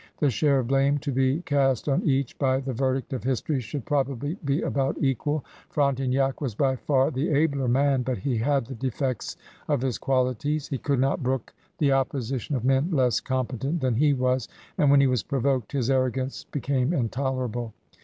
The share of blame to be cast on each by the verdict of history should probably be about equal. Fronte nac was by far the abler man, but he had the defects of his qualities. He could not brook the opposition of men less competent than he was, and when he was provoked his arrogance be came intolerable.